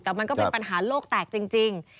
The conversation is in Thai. แต่มันก็เป็นปัญหาโลกแตกจริง